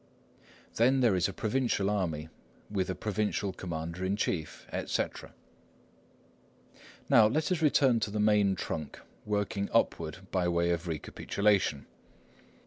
Then there is a provincial army, with a provincial commander in chief, etc. Now let us return to the main trunk, working upward by way of recapitulation.